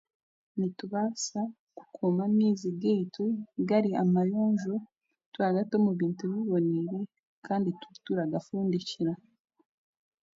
Nitubaasa kukuuma amaizi gaitu gari amayonjo turagata omu bintu biboniire kandi turagafundikira